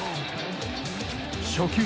初球。